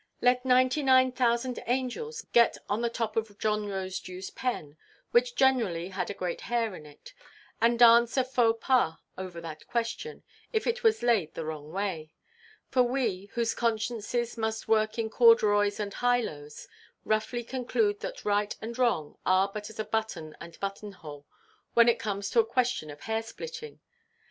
Let 99,000 angels get on the top of John Rosedewʼs pen—which generally had a great hair in it—and dance a faux pas over that question, if it was laid the wrong way; for we, whose consciences must work in corduroys and highlows, roughly conclude that right and wrong are but as button and button–hole when it comes to a question of hair–splitting.